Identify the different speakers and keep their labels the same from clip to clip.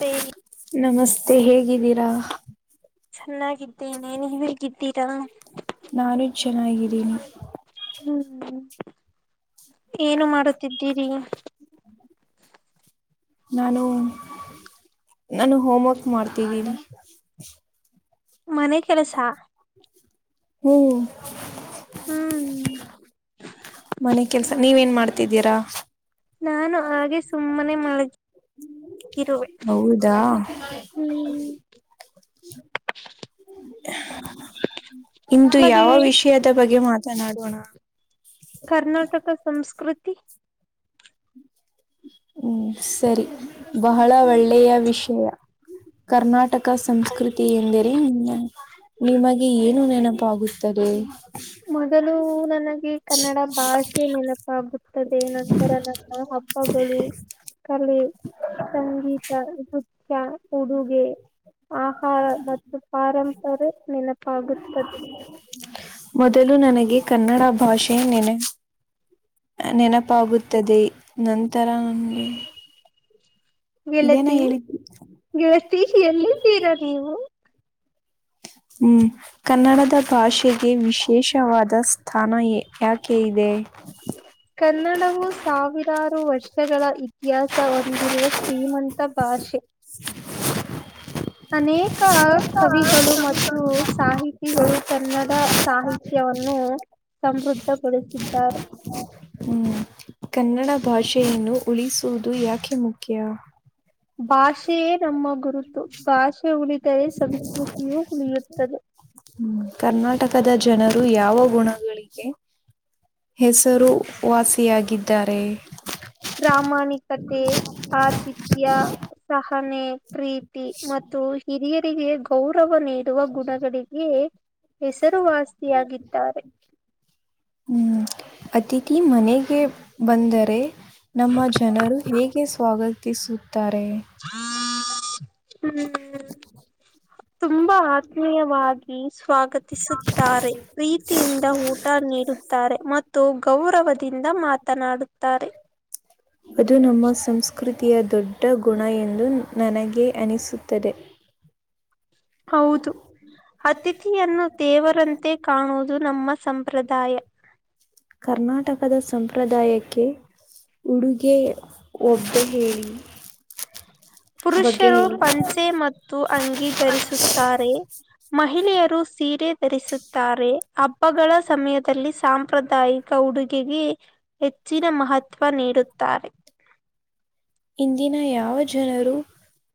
Speaker 1: ಮತ್ತೆ
Speaker 2: ನಮಸ್ತೆ ಹೇಗಿದ್ದೀರಾ
Speaker 1: ಚೆನ್ನಾಗಿದ್ದೀನಿ ನೀವು ಹೇಗಿದ್ದೀರಾ
Speaker 2: ನಾನು ಚೆನ್ನಾಗಿದ್ದೀನಿ
Speaker 1: ಹ್ಮ್ ಹ್ಮ ಏನು ಮಾಡುತ್ತಿದ್ದೀರಿ
Speaker 2: ನಾನು ನಾನು ಹೋಮ್ವರ್ಕ್ ಮಾಡ್ತಿದ್ದೀನಿ [unintelligible]
Speaker 1: ಮನೆ ಕೆಲಸ
Speaker 2: ಹ್ಮ್
Speaker 1: ಹ್ಮ್
Speaker 2: ಮನೆ ಕೆಲ್ಸ ನೀವ ನ್ ಮಾಡ್ತೀ ತಿದ್ದೀರಾ
Speaker 1: ನಾನು ಹಾಗೆ ಸುಮ್ಮನೆ ಮಲಗ ಇರುವೆ
Speaker 2: ಹೌದಾ
Speaker 1: ಹ್ಮ್
Speaker 2: ಇಂದು
Speaker 1: ಹಾಗೆ
Speaker 2: ಯಾವ ವಿಷಯದ ಬಗ್ಗೆ ಮಾತನಾಡೋಣ
Speaker 1: ಕರ್ನಾಟಕ ಸಂಸ್ಕೃತಿ
Speaker 2: ಹ್ಮ್ ಸರಿ ಬಹಳ ಒಳ್ಳೆಯ ವಿಷಯ ಕರ್ನಾಟಕ ಸಂಸ್ಕೃತಿ ಎಂದರೆ ನಿಮಗೆ ಏನು ನೆನಪ ಪ್ಪಾಗುತ್ತದೆ
Speaker 1: ಮೊದಲು ನನಗೆ ಕನ್ನಡ ಭಾಷೆ ನೆನಪ ಆಗ್ ದೆ ನಂತರ ನಮ್ಮ ಹಬ್ಬಗಳು ಕಲೆ ಸಂಗೀತ ನೃತ್ಯ ಉಡುಗೆ ಆಹಾರ ಮತ್ತು ಪಾರಂಪರೆ ನೆನಪಾಗುತ್ತದೆ
Speaker 2: ಮೊದಲು ನನಗೆ ಕನ್ನಡ ಭಾಷೆ ನೆನೆ ನೆನಪಾಗುತ್ತದೆ ನಂತರ ನಂಗೆ
Speaker 1: ಗೆಳತಿ ಗೆಳತಿ ಎಲ್ಲಿದ್ದೀರಾ ನೀವು
Speaker 2: ಹ್ಮ್ ಕನ್ನಡದ ಭಾಷೆಗೆ ವಿಶೇಷವಾದ ಸ್ಥಾನ ಯಾಕೆ ದೆ
Speaker 1: ಕನ್ನಡವು ಸಾವಿರಾರು ವರ್ಷಗಳ ಇತಿಹಾಸ ಹೊಂದಿರುವ ಶ್ರೀಮಂತ ಭಾಷೆ ಅನೆ ಕ್ಕ ಕವಿಗಳು ಮತ್ತು ಸಾಹಿತಿಗಳು ಕನ್ನಡ ಸಾಹಿತ್ಯವನ್ನು ಸಮೃದ್ಧ ಗೊಳಿಸಿದ್ದಾರೆ
Speaker 2: ಹ್ಮ ಕನ್ನಡ ಭಾಷೆಯನ್ನು ಉಳಿಸುವುದು ಯಾಕೆ ಮುಖ್ಯ
Speaker 1: ಭಾಷೆಯೇ ನಮ್ಮ ಗುರುತು ಭಾಷೆ ಉಳಿದರೆ ಸಂಸ್ಕೃತಿಯೂ ಉಳಿಯುತ್ತದೆ
Speaker 2: ಹ್ಮ ಕರ್ನಾಟಕದ ಜನರು ಯಾವ ಗುಣಗಳಿಗೆ ಹೆಸರು ವಾಸಿಯಾಗಿದ್ದಾರೆ
Speaker 1: ಪ್ರಾಮಾಣಿಕತೆ ಆತಿಥ್ಯ ಸಹನೆ ಪ್ರೀತಿ ಮತ್ತು ಹಿರಿಯ ಗೆ ಗೌರವ ನೀಡುವ ಗುಣಗಳಿಗೆ ಹೆಸರುವಾಸಿಯಾಗಿದ್ದಾರೆ
Speaker 2: ಹ್ಮ್. ಅತಿಥಿ ಮನೆಗೆ ಬಂದರೆ ನಮ್ಮ ಜನರು ಹೇಗೆ ಸ್ವಾಗತ ವತಿಸುತ್ತಾರೆ
Speaker 1: ಹ್ಮ
Speaker 2: ಹ್ಮ
Speaker 1: ಹ ತುಂಬಾ ಆತ್ಮೀಯವಾಗಿ ಸ್ವಾಗತಿಸುತ್ತಾರೆ ಪ್ರೀತಿಯಿಂದ ಊಟ ನೀರು ರೆ ಮತ್ತು ಗೌರವದಿಂದ ಮಾತನಾಡುತ್ತಾರೆ
Speaker 2: ಅದು ನಮ್ಮ ಸಂಸ್ಕೃ ಪ್ರಕೃತಿಯ ದೊಡ್ಡ ಗುಣ ಎಂದು ನನಗೆ ಅನಿಸುತ್ತದೆ
Speaker 1: ಹೌದು ಅತಿಥಿಯನ್ನು ದೇವರಂತೆ ಕಾಣುವುದು ನಮ್ಮ ಸಂಪ್ರದಾಯ
Speaker 2: ಕರ್ನಾಟಕದ ಸಂಪ್ರದಾಯಕ್ಕೆ ಉಡುಗೆ ಒಬ್ಬೆ ಹೇಳಿ ಬಗ್ಗೆ
Speaker 1: ಪುರುಷರು
Speaker 2: ಹೇಳಿ
Speaker 1: ಪಂಚೆ ಮತ್ತು ಅಂಗೀ ಧರಿಸುತ್ತಾರೆ ಮಹಿಳೆಯರು ಸೀರೆ ರಿಸುತ್ತಾರೆ ಹಬ್ಬಗಳ ಸಮಯದಲ್ಲಿ ಸಾಂಪ್ರದಾಯಿಕ ಉಡುಗೆಗೆ ಹೆ ಹೆಚ್ಚಿನ ಮಹತ್ವ ನೀಡುತ್ತಾರೆ
Speaker 2: ಇಂದಿನ ಯಾವ ಜನರು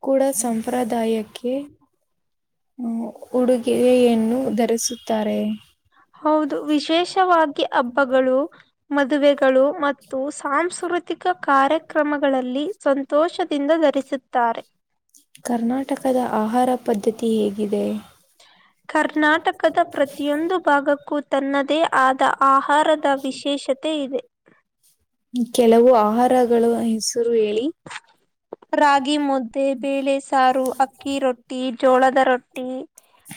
Speaker 2: ಕೂಡ ಸಂಪ್ರದಾಯಕ್ಕೆ ಹ ಉಡುಗೆಯನ್ನು ಧರಿಸುತ್ತಾರೆ
Speaker 1: ಹೌದು ವಿಶೇಷವಾಗಿ ಹಬ್ಬಗಳು ಮದುವೆಗಳು ಮತ್ತು ಸಾಂಸ್ಕೃತಿಕ ಆತಿಕ ಕಾರ್ಯಕ್ರಮಗಳಲ್ಲಿ ಸಂತೋಷದಿಂದ ಧರಿಸುತ್ತಾರೆ
Speaker 2: ಕರ್ನಾಟಕದ ಆಹಾರ ಪದ್ಧತಿ ಹೇಗಿದೆ
Speaker 1: ಕರ್ನಾಟಕದ ಪ್ರತಿಯೊಂದು ಭಾಗಕ್ಕೂ ತನ್ನದೇ ಆದ ಆಹಾರದ ವಿಶೇಷತೆ ಇದೆ
Speaker 2: ಕೆಲವು ಆಹಾರಗಳು ಹೆಸರು ಹೇಳಿ
Speaker 1: ರಾಗಿ ಮುದ್ದೆ ಬೇಳೆ ಸಾರು ಅಕ್ಕಿ ರೊಟ್ಟಿ ಜೋಳದ ರೊಟ್ಟಿ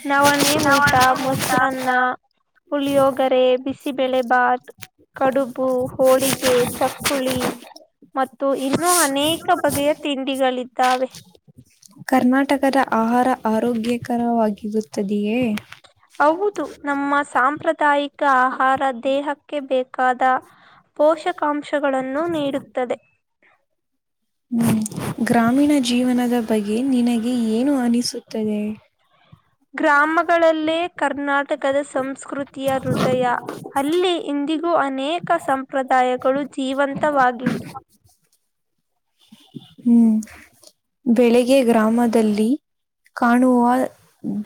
Speaker 1: ನವನೇ ಊಟ ಮೊಸ ಅನ್ನ ಪುಳಿಯೋಗರೆ ಬಿಸಿಬಳೆ ಭಾತ್ ಕಡುಬು ಹೋಳಿಗೆ ಚಕ್ಕುಳಿ ಮತ್ತು ಇನ್ನುೂ ಅನೇಕ ಬಗೆಯ ತಿಂಡಿಗಳಿದ್ದಾವೆ
Speaker 2: ಕರ್ನಾಟಕದ ಆಹಾರ ಆರೋಗ್ಯಕರವಾಗಿರುತ್ತದೆ
Speaker 1: ಹೌದು ನಮ್ಮ ಸಾಂಪ್ರದಾಯಿಕ ಆಹಾರ ದೇಹಕ್ಕೆ ಬೇಕಾದ ಪೋಷಕಾಂಶಗಳನ್ನು ನೀಡುತ್ತದೆ
Speaker 2: ಹ್ಮ್ ಗ್ರಾಮೀಣ ಜೀವನದ ಬಗೆ ನಿನಗೆ ಏನು ಅನಿಸುತ್ತದೆ
Speaker 1: ಗ್ರಾಮಗಳಲ್ಲೇ ಕರ್ನಾಟಕದ ಸಂಸ್ಕೃತಿಯ ಹೃದಯ ಅಲ್ಲಿ ಇಂದಿಗೂ ಅನೇಕ ಸಂಪ್ರದಾಯಗಳು ಜೀವಂತ ಜೀವಂತವಾಗಿವೆ
Speaker 2: ಹ್ಮ್ ಬೆಳಿಗ್ಗೆ ಗ್ರಾಮದಲ್ಲಿ ಕಾಣವ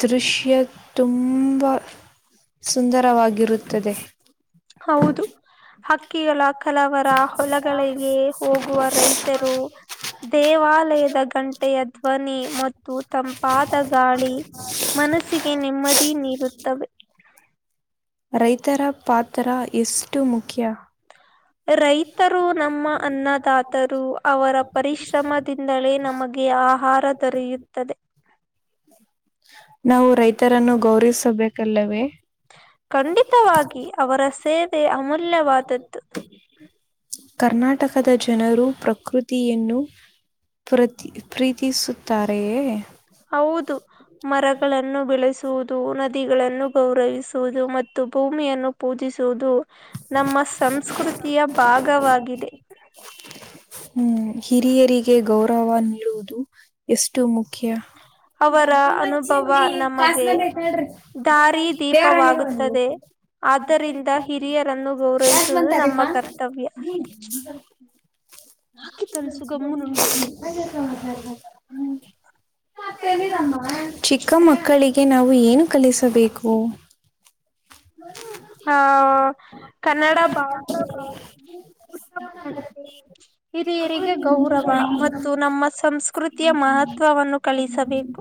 Speaker 2: ದೃಶ್ಯ ತುಂಬ ಸುಂದರವಾಗಿರುತ್ತದೆ
Speaker 1: ಹೌದು ಹಕ್ಕಿಗಳ ಕಲಾವರ ಹೊಲಗಳಿಗೆ ಹೋಗುವ ರೈತ ಅರು ದೇವಾಲಯದ ಗಂಟೆಯ ಧ್ವನಿ ಮತ್ತು ತಂಪಾದ ಗಾಳಿ ಮನಸ್ಸಿಗೆ ನೆಮ್ಮದಿ ನೀಡುತ್ತವೆ
Speaker 2: ರೈತರ ಪಾತ್ರ ಎಷ್ಟು ಮುಖ್ಯ
Speaker 1: ರೈತರು ನಮ್ಮ ಅನ್ನದಾತರು ಅವರ ಪರಿಶ್ರಮದಿಂದಲೇ ನಮಗೆ ಆಹಾರ ದೊರೆಯುತ್ತದೆ
Speaker 2: ನಾವು ರೈತರನ್ನು ಗೌರವಿಸಬೇಕಲ್ಲವೇ
Speaker 1: ಖಂಡಿತವಾಗಿ ಅವರ ಸೇವೆ ಅಮೂಲ್ಯವಾದದ್ದು
Speaker 2: ಕರ್ನಾಟಕದ ಜನರು ಪ್ರಕೃತಿಯನ್ನು ಪ್ರತಿ ಪ್ರೀ ತೀಸುತ್ತಾರೆಯೇ
Speaker 1: ಹೌದು ಮರಗಳನ್ನು ಬೆಳೆಸ ನದಿಗಳನ್ನು ಗೌರವಿಸುವುದು ಮತ್ತು ಭೂಮಿಯನ್ನು ಪೂಜಿಸುವುದು ನಮ್ಮ ಸಂಸ್ಕೃತಿಯ ಭಾಗವಾಗಿದೆ
Speaker 2: ಹ್ಮ್ ಹಿರಿಯರಿಗೆ ಗೌರವ ನೀಡುವುದು ಎಷ್ಟು ಮುಖ್ಯ
Speaker 1: ಅವರ ಅನುಭವ
Speaker 2: ಬ್ಬಚ್ಚಿ
Speaker 1: ನಮಗೆ
Speaker 2: ಕಸ್ಗಂದಿ ಹ್ರಿ ದೇವರ ಹೇಳ
Speaker 1: ದಾರಿದೀಪವಾಗುತ್ತದೆ ಆದ್ದರಿಂದ ಹಿರಿಯರನ್ನು
Speaker 2: ಯತ್ ಒಂದ್
Speaker 1: ಗೌರವಿಸುವುದು ನಮ್ಮ
Speaker 2: ತಾರೀಕಾ
Speaker 1: ಕರ್ತವ್ಯ
Speaker 2: ಹ್ಮ್ ಚಿಕ್ಕ ಮಕ್ಕಳಿಗೆ ನಾವು ಏನು ಕಲಿಸಬೇಕು
Speaker 1: ಹ್ಮ
Speaker 2: ಹ ಕನ್ನಡ
Speaker 1: ಭಾಷೆ
Speaker 2: ಕಡ
Speaker 1: ಉತ್ತಮ ನಡತೆ ಹಿರಿಯರಿಗೆ ಗೌರವ ಮತ್ತು ನಮ್ಮ ಸಂಸ್ಕೃತಿಯ ಮಹತ್ವವನ್ನು ಕಳಿಸಬೇಕು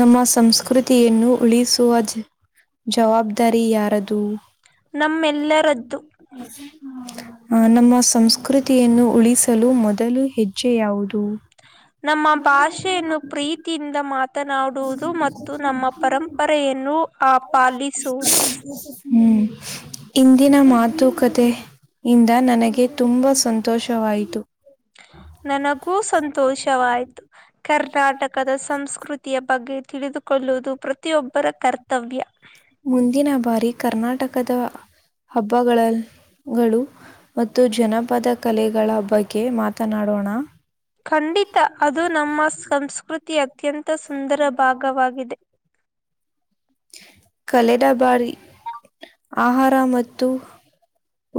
Speaker 2: ನಮ್ಮ ಸಂಸ್ಕೃತಿ ಯನ್ನು ಉಳಿಸುವ ಜ ಜವಾಬ್ದಾರಿ ಯಾರದು
Speaker 1: ನಮ್ಮೆಲ್ಲರದ್ದು
Speaker 2: ಹ ನಮಸ್ ಸಂಸ್ಕೃತಿಯನ್ನು ಉಳಿಸಲು ಮೊದಲು ಹೆಜ್ಜೆ ಯಾವುದು
Speaker 1: ನಮ್ಮ ಭಾಷೆಯನ್ನು ಪ್ರೀತಿಯಿಂದ ಮಾತ್ರ ಮಾತನಾಡುವುದು ಮತ್ತು ನಮ್ಮ ಪರಂಪರೆಯನ್ನು ಆ ಪಾಲಿಸುವುದು
Speaker 2: ಹ್ಮ್. ಇಂದಿನ ಮಾತುಕತೆಯಿಂದ ನನಗೆ ತುಂಬ ಸಂತೋಷವಾಯಿತು
Speaker 1: ನನಗೂ ಸಂತೋಷವಾಯ್ತು ಕರ್ನಾಟಕದ ಸಂಸ್ಕೃತಿಯ ಬಗ್ಗೆ ತಿಳಿದುಕೊಳ್ಳುವುದು ಪ್ರತಿಯೊಬ್ಬರ ಕರ್ತವ್ಯ
Speaker 2: ಮುಂದಿನ ಬಾರಿ ಕರ್ನಾಟಕದ ಹಬ್ಬ ಗಳು ಮತ್ತು ಜನಪದ ಕಲೆಗಳ ಬಗ್ಗೆ ಮಾತನಾಡೋಣ
Speaker 1: ಖಂಡಿತ ಅದು ನಮ್ಮ ಸಂಸ್ಕೃತಿ ಅತ್ಯಂತ ಸುಂದರ ಭಾಗವಾಗಿದೆ
Speaker 2: ಕಲೆದ ಬಾರಿ ಆಹಾರ ಮತ್ತು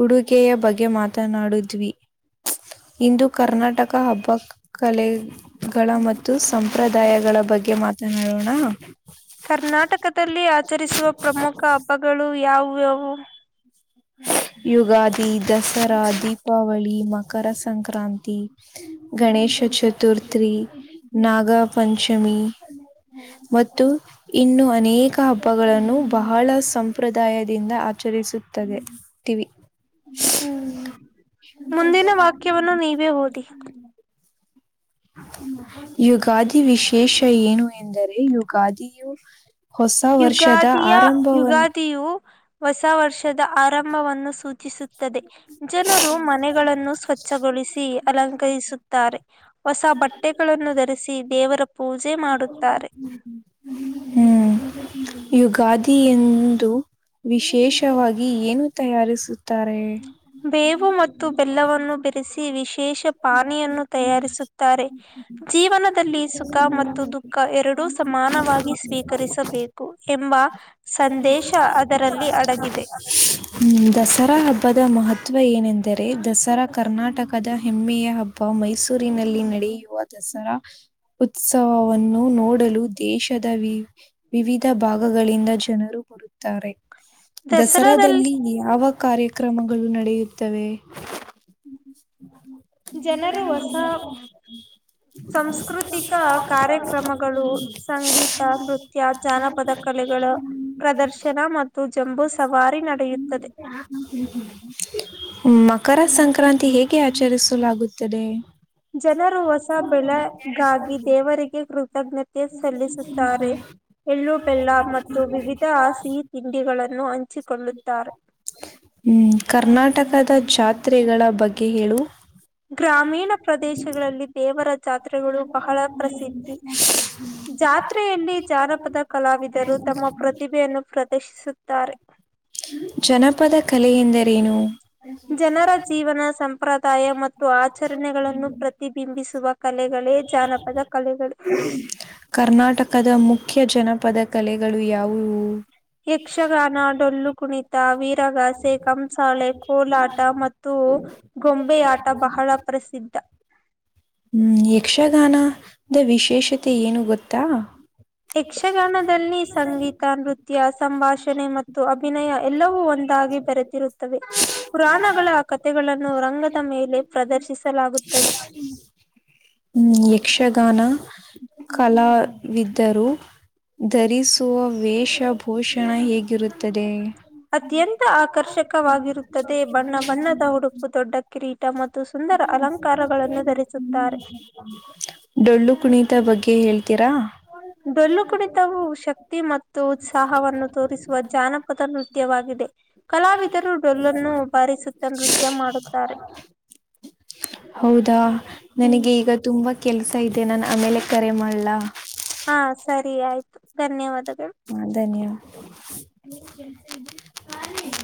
Speaker 2: ಉಡುಗೆೆಯ ಬಗ್ಗೆ ಮಾತನಾಡಿದ್ವಿ ಇಂದು ಕರ್ನಾಟಕ ಹಬ್ಬ ಕಲೆಗಳ ಮತ್ತು ಸಂ ಸಂಪ್ರದಾಯಗಳ ಬಗ್ಗೆ ಮಾತ
Speaker 1: ಕರ್ನಾಟಕದಲ್ಲಿ ಆ ಆಚರಿಸುವ ಪ್ರಮುಖ ಹಬ್ಬಗಳು ಯಾವುವ್ಯಾವು
Speaker 2: ಯುಗಾದಿ ದಸರಾ ದೀಪಾವಳಿ ಮಕರ ಸಂಕ್ರಾಂತಿ ಗಣೇಶ ಶಶಚತುರ್ಥೀ ನಾಗ ಪಂಚಮಿ ಮತ್ತು ಇನ್ನು ಅನೇಕ ಹಬ್ಬ ಹಗಳನ್ನು ಬಹಳ ಸಂಪ್ರದಾಯದಿಂದ ಆಚರಿಸುತ್ತದೆ ವಿ ಶ
Speaker 1: ಹ್ಮ್ ಮುಂದಿನ ವಾಕ್ಯವನ್ನು ನೀವೇ ಓದಿ
Speaker 2: [unintelligible] ಯುಗಾದಿ ವಿಶೇಷ ಏನು ಎಂದರೆ ಯುಗಾದಿಯು ಹೊಸ ವರ್ಷದ
Speaker 1: ಯುಗಾದಿಯ
Speaker 2: ಆರಂಭವನ್ನು
Speaker 1: ಯುಗಾದಿಯು ಹೊಸ ವರ್ಷ ಆರಂಭವನ್ನು ಸೂಚಿಸುತ್ತದೆ ಜನರು ಮನೆಗಳನ್ನು ಸ್ವಚ್ಛಗೊಳಿಸಿ ಅಲ ಅಲಂಕರಿಸುತ್ತಾರೆ ಹೊಸ ಬಟ್ಟೆಗಳನ್ನು ಧರಿಸಿ ದೇವರ ಪೂಜೆ ಮಾಡುತ್ತಾರೆ
Speaker 2: ಯುಗಾದಿಏ ವಿಶೇಷವಾಗಿ ಏನು ತಯಾರಿಸುತ್ತಾರೆ
Speaker 1: ಬೇವು ಮತ್ತು ಬೆಲ್ಲವನ್ನು ಬೇರೆಸಿ ವಿಶೇಷ ಪಾನಿಯನ್ನು ತಯಾರಿಸುತ್ತಾರೆ ಜೀವನ ಸುಖ ಮತ್ತು ದುಃಖ ಎರಡೂ ಸಮಾನವಾಗಿ ಸ್ವೀಕರಿಸಬೇಕು ಎಂಬ ಸಂದೇಶ ಅದರಲ್ಲಿ ಅಡಗಿದೆ.
Speaker 2: ಹ್ಮ್ ದಶರಾ ಹಬ್ಬದ ಮಹತ್ವ ಏನೆಂದರೆ ದಸರಾ ಕರ್ನಾಟಕದ ಹೆಮ್ಮೆಯ ಹಬ್ಬ ಮೈಸೂರಿನಲ್ಲಿ ನಡೆ ಡ ಯ ದ ಸರ [unintelligible] ಉತ್ಸವವನ್ನು ನೋಡಲು ದೇಶದ ವಿ ವಿವಿಧ ಭಾಗಗಳಿಂದ ಜನರು ಬರುತ್ತಾರೆ ದಸರಾದಲ್ಲಿ ಯಾವ ಕಾರ್ಯಕ್ರಮಗಳು ನಡೆಯುತ್ತ ತವೆೇ
Speaker 1: ಜನರು ಹೊಸ ಸಾಸ್ಕೃತಿಕ ಕಾರ್ಯಕ್ರಮಗಳು ಸಂಗೀತ ನೃತ್ಯ ಜಾನಪದ ಕಲೆಗಳು ಪ್ರದರ್ಶನ ಮತ್ತು ಜಂಬೂ ಸವಾರಿ ನಡೆಯುತ್ತದೆ
Speaker 2: ಮಕರ ಸಂಕ್ರಾಂತಿ ಹೇಗೆ ಆಚರಿಸಲಾಗುತ್ತದೆ
Speaker 1: ಜನರು ಹೊಸ ಬೆಳಗಾಗಿ ದೇವರಿಗೆ ಕೃತಜ್ಞತೆ ಸಲ್ಲಿಸುತ್ತಾರೆ ಎಳ್ಳು ಬೆೆಲ್ಲ ಮತ್ತು ವಿವಿಧ ಹಸಹಿ ತಿಂಡಿಗಳನ್ನು ಹಂಚಿಕೊಳ್ಳುತ್ತಾರೆ
Speaker 2: ಹ್ಮ್ ಕರ್ನಾಟಕದ ಜಾತ್ರೆಗಳ ಬಗ್ಗೆ ಹೇಳು
Speaker 1: ಗ್ರಾಮೀಣ ಪ್ರದೇಶಗಳಲ್ಲಿ ದೇವರ. ಜಾತ್ರೆಗಳು ಬಹಳ ಪ್ರಸಿದ್ಧಿ ಜಾತ್ರೆಯಲ್ಲಿ ಜಾನಪದ ಕಲಾವಿದರು. ತಮ್ಮ ಪ್ರತಿಭೆಯನ್ನು ಪ್ರದರ್ಶಿಸುತ್ತ.
Speaker 2: ಜನಪದ ಕಲೆ ಎಂದರೇನು.
Speaker 1: ಜನರ ಜೀವನ ಸಂಪ್ರದಾಯ ಮತ್ತು ಆಚರಣೆಗಳನ್ನು ಪ್ರತಿಬಿಂಬಿಸುವ. ಕಲೆಗಳೇ ಜಾನಪದ ಕಲೆಗಳು.
Speaker 2: ಕರ್ನಾಟಕದ ಮುಖ್ಯ. ಮುಖ್ಯ ಜನಪದ ಕಲೆಗಳು ಯಾವುವು.
Speaker 1: ಯಕ್ಷಗಾನ ಡೊಳ್ಳು ಕುಣಿತ ವೀರಗಾಸೆ ಕಂಸಾಳೆ ಕೋಲಾಟ ಮತ್ತು. ಗೊಂಬೆ ಆಟ ಬಹಳ ಪ್ರಸಿದ್ಧ.
Speaker 2: ಹ್ಮ್ ಯಕ್ಷಗಾನದ ವಿಶೇಷತೆ ಏನು ಗೊತ್ತಾ.
Speaker 1: ಯಕ್ಷಗಾನದಲ್ಲಿ ಸಂಗೀತ ನೃತ್ಯ. ಸಂಭಾಷಣೆ ಮತ್ತು ಅಭಿನಯ ಎಲ್ಲವೂ ಒಂದಾಗಿ ಬೆರೆತಿರುತ್ತವೆ ಪುರಾಣಗಳ ಕಥೆಗಳು. ನ್ನು ರಂಗದ ಮೇಲೆ ಪ್ರದರ್ಶಿಸಲಾಗುತ್ತದೆ.
Speaker 2: ಹ್ಮ್ ಯಕ್ಷಗಾನ. ಕಲಾವಿದರು ಧರಿಸುವ ವೇಷ. ಭೂಷಣ ಹೇಗಿರುತ್ತದೆ.
Speaker 1: ಅತ್ಯಂತ ಆಕರ್ಷಕವಾಗಿರುತ್ತದೆ ಬಣ್ಣ ಬಣ್ಣದ ಉಡುಪು ದೊಡ್ಡ ಕಿರೀ. ಟ ಮತ್ತು ಸುಂದರ ಅಲಂಕಾರಗಳನ್ನು ಧರಿಸುತ್ತಾರೆ.
Speaker 2: ಡೊಳ್ಳು ಕುಣಿತ ಬಗ್ಗೆ ಹೇಳ್ತೀರಾ
Speaker 1: ಹ ಡೊಲ್ಲು ಕುಣಿತವು ಶಕ್ತಿ ಮತ್ತು ಉತ್ಸಾಹವನ್ನು ತೋರಿಸುವ ಜಾನಪದ ನೃತ್ಯವಾಗಿದೆ. ಕಲಾವಿದರು ಡೊಲ್ಲನ್ನು ಬಾರಿಸುತ್ತ ನೃತ್ಯ ಮಾಡುತ್ತಾರೆ.
Speaker 2: ಹೌದಾ
Speaker 1: ಹ್ಮ್
Speaker 2: ನನಗೆ ಈಗ ತುಂಬಾ. ಕೆಲ್ಸ ಇದೆ ನಾನ್ ಆಮೇಲೆ ಕರೆ ಮಾಡ್ಲ.
Speaker 1: ಹಾ ಸರಿ ಆಯ್ತು ಧನ್ಯವಾದಗಳು.
Speaker 2: ಹ ಧನ್ಯ.